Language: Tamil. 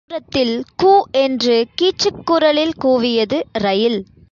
பக்கத்தில் ஒரு பர்லாங்கு தூரத்தில் கூ என்று கீச்சுக் குரலில் கூவியது ரயில்.